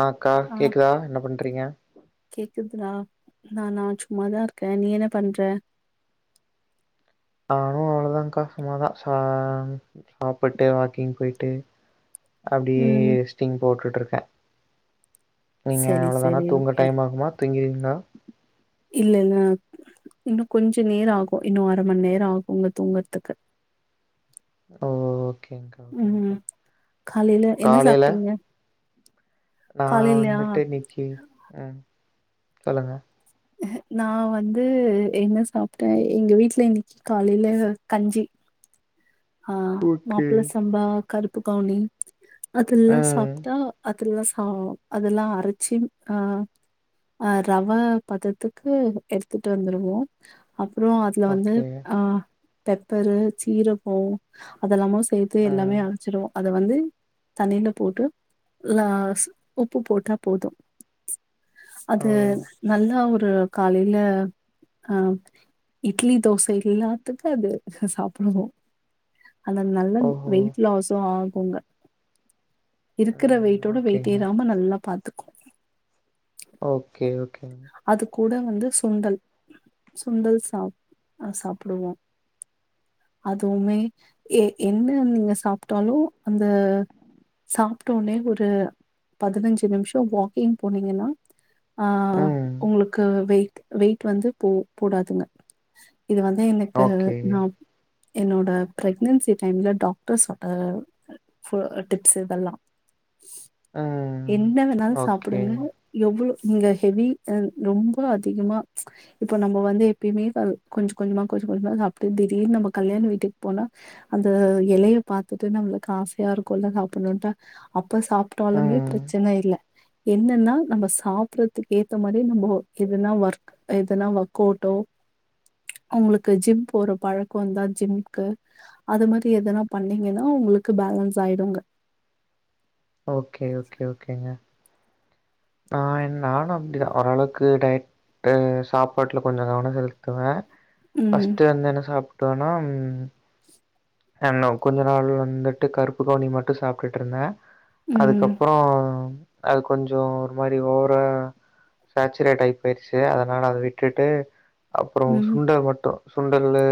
அ அக்கா ஆ கேக்குதா என்ன பண்றீங்க கேக்குதுடா நானா சும்மாதா இருக்கே நீ என்ன பண்ற நானு தக்கா சமதா ச சாப்பிட்டு வாக்கிங் போயிட்டு அப்டியே ம் ஸ்டிங் போட்டுட்ருக்கே நீங்க சரி அவ்வளதானா சரி தூங்க டைம் ஆகுமா தூங்கிறீங்களா இல்லன்னா இன்னு கொஞ்ச நேர ஆகு இன்னு அர மணி நேர ஆகும்ங்க தூங்குறதுக்கு ஓ ஓகேங்க்கா ம் ஓகேங்க்கா காலைல என்ன காலைல சாப்ட்டீங்க நா காலைலயா வந்துட்டு இன்னைக்கு ம் சொல்லுங்க நா வந்து என்ன சாப்ட்டே எங்க வீட்டல இன்னைக்கு காலையில கஞ்சி ஆ ஓகே மாப்பள சம்பா கருப்பு கவுனி அதெல்லா ம் சாப்ட்டா இல்ல சாவ் அதெல்லா அரைச்சு ஆ அ ரவா பதத்துக்கு எடுத்துட்டு வந்துருவோ அப்புறம் அதுல வந்து ஓகே ஆ பெப்பரு சீரகோ அதெல்லாமோ சேத்து எல்லாமே ம் அரைச்சிடுவோ அத வந்து தண்ணில போட்டு லாஸ் உப்பு போட்டா போது ஓ அது நல்லா ஒரு காலைல ஆ இட்லி தோச எல்லாத்துக்கு அது சாப்டுவோ அந்த நல்ல ஓஹோ வெயிட் லாஸுஆகுங்க இருக்கிற ம் வெயிட்டோட வெயிட் ஓகேங்க ஏறாம நல்லா பாத்துக்கு ஓகே ஓகேங்க அது கூட வந்து சுண்டல் சுண்டல் சாப் அ சாப்டுவோ அதுவுமே எ என்ன நீங்க சாப்ட்டாலு அந்த ச சாப்பிட்டோனே ஒரு பதினஞ்சு நிமிஷம் வாக்கிங் போனீங்கன்னா அ ம் உங்களுக்கு வெய்ட் வெய்ட் வந்து போ போடாதுங்க இது வந்து எனக்கு ஓகே நான் என்னோட பிரெக்னன்சி டைம்ல டாக்டர்ஸோட டிப்ஸ் இதெல்லா ம் என்ன வேணாலு ஓகே சாப்டுங்க எவ்ளோ நீங்க ஹெவி ரொம்ப அதிகமா இப்ப நம்ம வந்து எப்பயுமே கொஞ்சோ கொஞ்சோ மா கொஞ்சோ கொஞ்சோமா சாப்ட்டு இதே நம்ம கல்யாண வீட்டுக்கு போனா அந்த இலையை பாத்துட்டு நம்மளுக்கு ஆசையா இருக்குல்ல சாப்ட்ணுன் அப்ப சாப்ட்டாலுமே ம் பிரச்சனை இல்ல என்னன்னா நம்ம சாப்றதுக்கு ஏ இந்த மாரி நம்போ எதுனா ஒர்க் எதுனா ஒர்க் அவுட்டோ அவங்களுக்கு ஜிம் போற பழக்க வந்தா ஜிம்கு அது மாதிரி எதனா பண்ணீங்கன்னா உங்களுக்கு பேலன்ஸ் ஆய்டுங்க ஓகே ஓகே ஓகேங்க நா என் நானு அப்டிதா ஓரளவுக்கு டயட் ட்டு சாப்பாட்டுல கொஞ்சோ கவன செலுத்துவே ம், ஃபர்ஸ்ட் வந்து என்ன சாப்ட்டோனாம் ஆன் லவ் கொஞ்ச நாள் வந்துட்டு கருப்பு கவுனி மட்டும் சாப்ட்டுட் இருந்த ம், அதுக்கப்புற அது கொஞ்சோ ஒரு மாரி ஓவ்றா சாச்சுரேட் ஆகி போயிருச்சு அதனால அத விட்டுட்டு அப்புறம் ம். சுண்டல் மட்டு சுண்டலு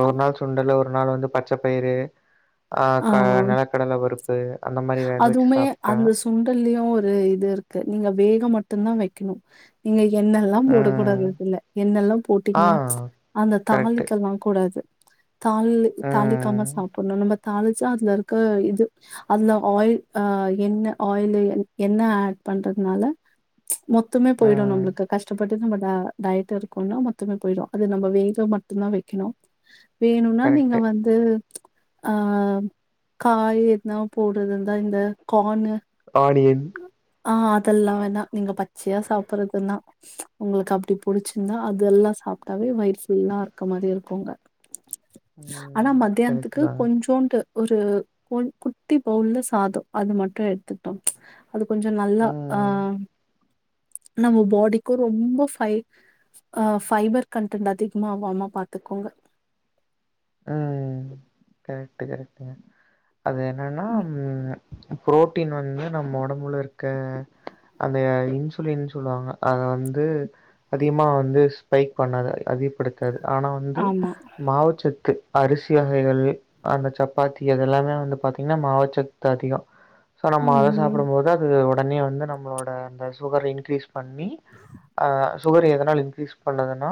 ஒரு நாள் சுண்டலு ஒரு நாள் வந்து பட் பச்ச பயரு ஆ க நிலக்கடல பருப்பு அந்த மாரி வேக வச்சு அதுவுமே சாப்ட்ட அந்த சுண்டல்லயும் ஒரு இது இருக்கு நீங்க வேக மட்டுதா வைக்கணு நீங்க எண்ணெல்லா போடக் கூடாது ம். அதுல எண்ணெல்லா போட்டீங்க ஆ அந்த கரெக்ட்டு தாளிக்களா கூடாது தாளி ஆ தாளிக்காம சாப்பிட்ணு நம்ம தாளிச்சா அதுல இருக்க இது அதுல ஆயில் அ என்ன ஆயில் என்ன ஆட் பண்றதுனால மொத்தமே ஆ போய்டு நம்மளுக்கு கஷ்டப்பட்டு நம்ம டயட் இருக்கோனா மொத்தமே போய்டு அது நம்ம வெயில மட்டுதா வைக்கணு வேணுனா நீங்க கரெக்ட்டு வந்து ஆ காய் எதுனா போடுறதுந்தா இந்த கார்ன்னு ஆனியன்ட் ஆ அதெல்லா வேணா நீங்க பச்சையா சாப்பிடறதுன்னா உங்களுக்கு அப்படி புடிச்சிருந்தா அது எல்லா சாப்ட்டாவே வயிறு ஃபுல்லா இருக்க மாரி இருக்குங்க ஆனா ம் மத்தியானத்துக்கு கரெக்ட்டு தாங்க கொஞ்சோண்டு ஒரு கோ குட்டி பவுல்ல சாத அது மட்டு எடுத்துட்டோ அது கொஞ்சோ நல்லா ஆ ம் நம்ம பாடிக்கு ரொம்ப ஃபைப ஆ ஃபைபர் கண்டன்ட் அதிகமா ஆகாம பாத்துக்கோங்க ம் கரெக்ட்டு கரெக்ட்டுங்க அது என்னனா ம் புரோட்டீன் வந்து நம்ம ஒடம்புலருக்க அந்த இன்சுலின் சொல்லுவாங்க அத வந்து அதிகமா வந்து ஸ்பைக் பண்ணத அ திகப்படுத்தாது ஆனா வந்து ஆமா. மாவுச்சத் து அரிசி வகைகள் அந்த சப்பாத்தி அதெல்லாமே வந்து பாத்தீங்னா மாவுச்சத்து அதிகோ சோ நம்ம அத ம். சாப்பிடம் போது அது ஒடனே வந்து நம்மளோட அந்த சுகர இன்கிரீஸ் பண்ணி அ சுகரு எதனால இன்கிரீஸ் பண்ணதுன்னா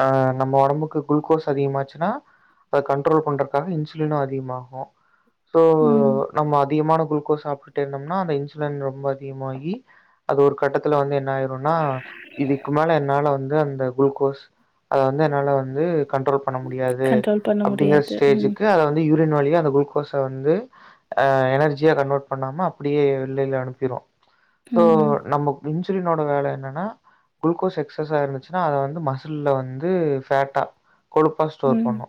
அ நம்ம ஒடம்புக்கு குளுக்கோஸ் அதிகமாச்சு னா அத கண்ட்ரோல் பண்றக்காக இன்சுலினு அதிகமாகு சோ ம். நம்ம அதிகமான குளுக்கோஸ் சாப்டுட்டே இருந்தம்னா அந்த இன்சுலின் ரொம்ப அதிகமாகி அது ஒரு கட்டத்தில வந்து என்னாயி ருனா இதுக்கு மேல என்னால வந்து அந்த குளுகோஸ் அத வந்து என்னால வந்து கண்ட்ரோல் பண்ண முடியாது கண்ட்ரோல் பண்ண அப்டிங்கிற முடியாது. ம். ஸ்டேஜுக்கு அத வந்து யூ ரின் வழியா அந்த குளுக்கோஸ வந்து அ எனர்ஜியா கன்வெர்ட் பண்ணாம அப்டியே வெள்ளைல அனுப்பிரு சோ ம். நம்ம மின்சிலினோட வேல என்னனா குளுகோஸ் எக்ஸ்சஸா இருந்துச்சுனா அத வந்து மசில்ல வந்து ஃபேட்டா கொழுப் ஸ்டோர் ம். பண்ணு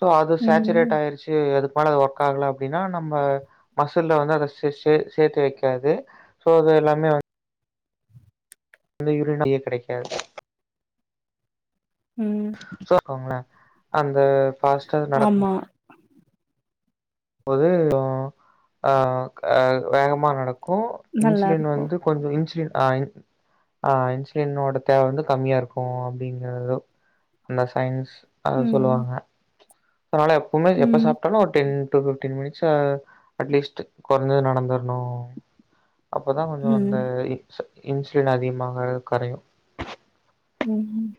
சோ அது ம். சேச்சரேட்டாயிருச்சி அதுக் மேல அது ஒர்க் ஆகல அப்டினா நம்ம மசில்ல வந்து அத சே சே சேத்து வக்காது சோ அத எல்லாமே வந் அந்த யூரினோ டியே கெடைக்காது ம் கோங்ளே அந்த பாஸ்டர் நடக்கும் ஆமா. ஒதே ஒ அ க வேகமா நடக் க்கு இன்சுலின் நல்லாருக்கும். வந்து கொஞ்சோ இன்சுலின் ஆ இன் ஆ இன்சுலினோட தேவ வந்து கம்மியாருக்கு அப்டிங்கிறது அந்த சயின்ஸ் அத ம். சொல்லுவாங்க அனால எப்புமே எப்ப ம். சாப்டாலு ஒரு டென் டூ ஃபிப்டீன் மினிட்ஸ் அ அட்லீஸ்ட் கொரஞ்சது நடந்தர்ணு அப்பதா கொஞ்சோ அந்த ம். இன்ஸ் இன்சுலின் அதிகமாக கரையு ம் ம்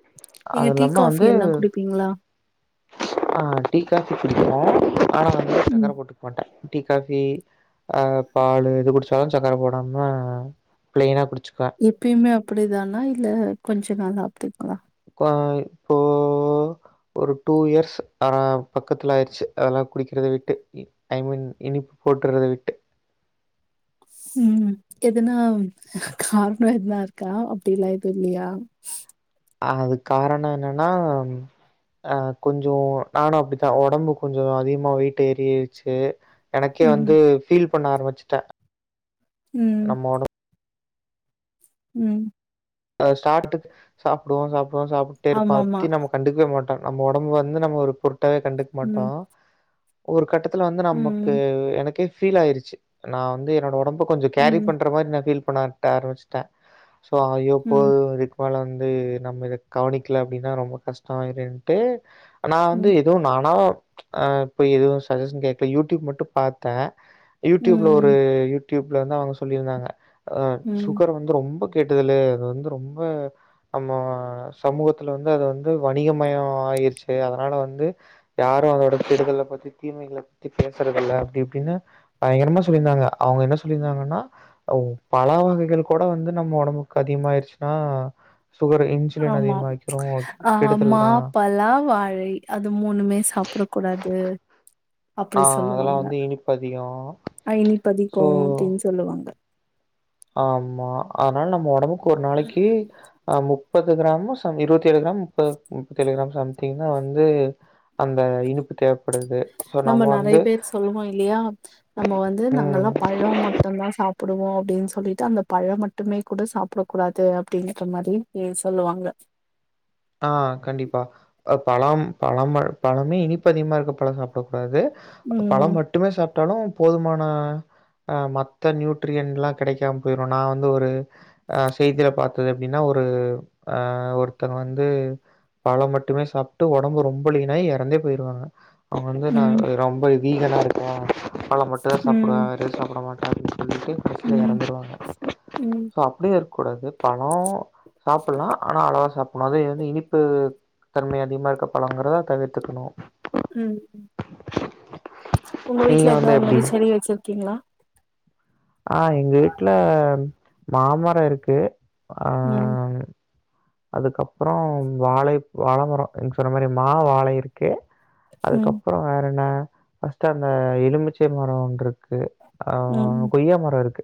நீங்க அது டீ இல்லாம காஃபி வந்து எல்லா குடிப்பீங்ளா ஆ டீ காஃபி குடிக்ரோ ஆனா வந்து ம். சக்கர போட்டுக்மாட்டே டீ காஃபி அ பாலு எது குடிச்சாலு சக்கர போடாம பிளைனா குடி எப்பியுமே அப்டிதானா இல்ல கொஞ்ச நாளா அப்டிங்ளா குவாய் போ ஒரு டூ இயர்ஸ் ஆ பக்கத்ல ஆயிருச்சி அதெல்லா குடிக்கறத விட்டு ஐ மீன் இன் நிப் போட்டறத விட்டு ம் எதுனா காரணோ எதுனா இருக்கா அப்டிலா எது இல்லியா அதுக் காரண என்னனா அ கொஞ்சோ நானு அப்டித்தா ஒடம்பு கொஞ்சோ அதிகமா வெயிட்டேறிச்சி எனக்கே ம். வந்து ஃபீல் பண்ண ஆரம்பிச்சிட்டே ம். நம்ம ஒடம் ம் அ ஸ்டார்ட்டுக் சாப்டுவோ சாப்டுவோ சாப்புட்டே இருப்போ அத ஆமாமா. பத்தி நம்ம கண்டுக்வே மாட்டோ நம்ம ஒடம்பு வந்து நம்ம ஒரு பொருட்டாவ கண்டுக் மாட்டோ ம். ஒரு கட்டத் துல வந்து நமக்கு ம். எனக்கே ஃபீல் ஆயிருச்சி நா வந்து என்னோட ஒடம்ப கொஞ்ச கேரிப் ம். பண்ற மாரி நா ஃபீல் பொண்ணாட்ட ஆரம்பிச்ட்டே சோ ஐயோ போ ம். இதுக் மேல வந் து நம்ம இத கவனிக்ல அப்டினா ரொம்ப கஷ்டமாயிருன்ட்டு நா வந்து ம். எதுவு நானா அ இப்போ எதுவு சஜஷன் கேக்ல யூடியூப் மட்டும் பாத்தே யூடியூப்ல ம். ஒரு யூடியூப்ல வந்து அவங்க சொல்லிருந்தாங்க அ ம். சுகர் வந்து ரொம்பக் கெட்டுதலே அது வந் ரொம்ப நம்ம சமூகத்துல வந்து அது வந்து வணிகமயோ ஆயிருச்சு அதனால வந்து வந்து யாரும் அதோட கெடுதல பத்தி தீமைகல பத்தி பேசறதில்ல அப்டி இப்டின்னு பயங்கரமா சொல்லியிருந்தாங்க அவங்க என்ன சொல்லிருந்தாங்க அவுங்கென்ன சொல்லிர்ந்தாங்கன்னா ஒ பழ வகைகள் கூட வந்து நம்ம ஒடம்புக்கு அதிகமாயிருச்சு ஆஹ் ஆமா ஆஹ் கெடுதல் மா தா பழா வாழை அது மூணுமே சாப்புடக் கூடா து ஆ அப்டி அதெல்லா சொல்லுவாங்க வந்து இனிப்பு அதிகோ ஐனி பதிக்கு சோ அப்டின் சொல்லுவாங்க ஆமா அதனால நம்ம ஒடம்புக்கு ஒரு நாளைக்கு ஆஹ் மு முப்பது கிராமு சம் இருவத்தேழு கிராம் முப்ப முப்பத்தேழு கிராம் சம்திங்னா வந்து அந்த இனிப்பு தேவைப்படுது. ஸோ நம்ம வந்து நறைய பேர் சொல்லுவோ இல்லையா நம்ம வந்து ம். நாங்கல்லா பழோம் மட்டுந்தா சாப் புடுவோ அப்டின் சொல்லிட்டு அந்த பழம் மட்டுமே கூட சாப்ட கூடாது அப்டீன்ற மாரி சொல்லுவாங்க ஆஹ் கண்டிப்பா அ பழம் பழம பழமே இனிப்பதிகமா இருக்க பழம் சாப்டக் கூடாது ம். பழம் மட்டுமே சாப் ட்டாலு போதுமான அஹ் மத்த நியூட்ரியன்லா கெடைக்காம போயிரு நா வந்து ஒரு ஆஹ் செய்தில பாத்தது எப்டின்னா ஒ ஒரு ஆஹ் ஒருத்தங்க வந் து பழம் மட்டுமே சாப்ட்டு ஒடம்பு ரொம்ப லீனாய் எறந்தே போயிருவாங்க அவன் வந்து நா ம். ரொம்ப வீகனா இருப்பன் பழ மட்டுந்தா சாப்டுவ ம் வேரெது சாப்ட மாட்ட [unintelligible] கடசில ம் எறந்துருவாங்க ம் சோ அப்டியு இருக் கூடாது ப ழோ சாப்புட்லா ஆனா அளவா சாப் வந்து இனிப்பு தன்மை அதிகமா இருக்க பழங்கிறத தவிர்த்துக்கணு ம் உங்க நீங்க வீட்ல வந்து எத்னா அந் எப்டி மாரி செடி வெச்சிருக்கீங்களா ஆஹ் எங்க வீட்ல மாமரோ இருக்கு ம் அஹ் அதுக்கப்றோ வாழை வாழமரோ நீங்க சொன்ன மாரி மா வாழை இருக்கு ம் அதுக்கப்றோ வேறென்ன ஃபஸ்ட்டு அந்த எலுமிச்சை மரோ ஒன்ருக்கு ம் ஆஹ் கொய்யா மரோ இருக்கு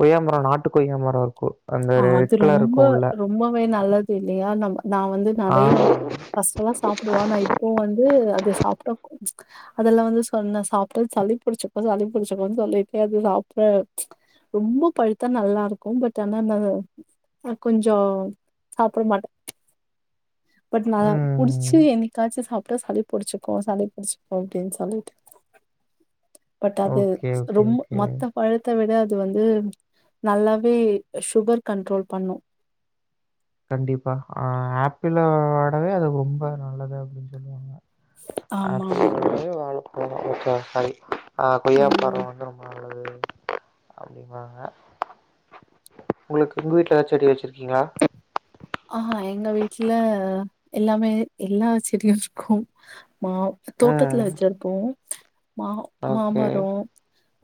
கொய்யா மரோ நாட்டு கொய்யா மரோ இருக்கு அது ரொம்ப ரொம்பவே நல்லது இல்லையா நம் நான் வந்து ஆ. நறைய ஃபஸ்ட்டெல்லா சாப்டுவா நா இப்போ வந்து அது சாப்ட்டா அதெல்லா வந்து சொன்ன சாப்ட்டா சளி புடிச்சுக்கு சளி புடிச்சுக்குன் சொல்லிட்டே அது சாப்ட ரொம்பொ பழுத்தா நல்லா இருக்கும் பட் ஆ ஆனா நா கொஞ்சோ சாப்ட மாட்ட பட் நா ம். புடிச்சு என்னிக்காச்சு சாப் டா சளி புடிச்சுக்கு சளி புடிச்சுக்கு அப்டின் சொல்லிட்டு பட் அது ஓகே, ஓகே, ரொம்ப ஓகே. மொத்த பழத்த விட அது வந்து நல்லாவே ஷுகர் கண்ட்ரோல் பண்ணு கண்டிப்பா ஆஹ் ஆப்பிளோடவே அது ரொம்ப நல்லது அப்டின் சொல்லுவாங்க [inaudible] ஆமா ஆமா ஆஹ் கொய்யா மரோ ம் வந்து ரொம்ப நல்லது அப்டின்பாங்க உங்களுக் உங்க வீட்ல எதா செடி வெச்சிருக்கீங்களா ஆஹா எங்க வீட்ல எல்லாமே எல்லா செடியு இருக்கு மா ம். தோட்டத்ல வெச்சிருப்போ மா மா ஓகே. மரோ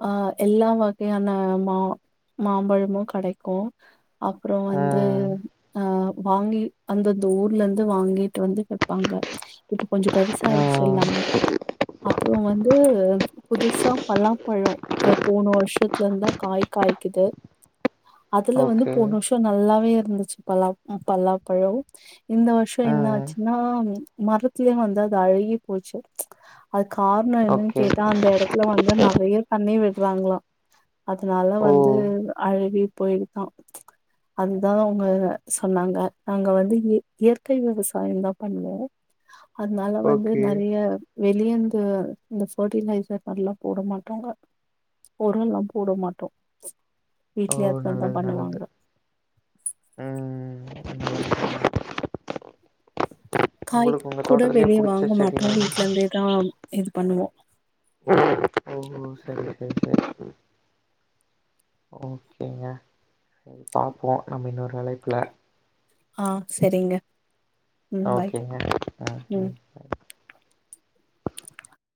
ஆஹ் எல்லா வகையான மா மாம்பழமு கடைக்கு அப்றோ வந்து ம். அஹ் வாங்கி அந்தந்த ஊர்ல இருந்து வாங்கி ட்டு வந்து வெப்பாங்க இப்ப கொஞ்சொ பெருசாயிடுச்சு ம். எல்லாமே அப்றோ வந்து புதுசா பலா பழோ அ போன வருஷத்துலிந்தா காய் காய்க்குது அதுல வந்து ஓகே. போன வருஷோ நல்லாவே இருந்துச்சு பலா ம் பலாபழோ இந்த வருஷோ ஆ என்ன ஆச்சுன்னா மரத்லயே வந்து அது அழுகி போச்சு அது காரணோ என்னனு ஓகே கேட்டா அந்த எடத்துல வந்து நெறய தண்ணி விட்றாங்ளா அதனால ஓ வந்து அழுகி போயிருக்கா அதுதா அவங்க சொன்னாங்க நாங்க வந்து இய இயற்கை விவசாயந்தா பண்ணுவோ அதனால வந்து ஓகே நெறைய வெளியன்ந்து பெ இந்த ஃபர்ட்டிலைசர் மாரிலா போட மாட்டாங்க ஒரொல்லா போட மாட்டோ ஓ வீட்லயே ஹஸ்பண்ட் தா நல்லது நல்லது பண்ணுவாங்க ம் ம் காய் உங்களுக்கு உங்க கூட தோட்டத்திலயே வெளிய புடிச்ச வாங்க மாட்டோ செடினா வீட்ல இருந்தேதா இது பண்ணுவோ ஓ ஓஹோ சரி சரி சரி ஓகேங்க சரி பாப்போ நம்ம இன்னொரு அழைப்புல ஆ சரிங்க ம் பாய் ஓகேங்க அ ம் அ